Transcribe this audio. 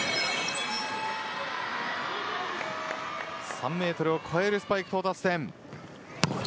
３メートルを超えるスパイク到達点。